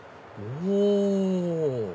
お！